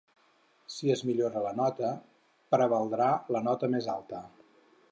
Si es millora la nota, prevaldrà la nota més alta.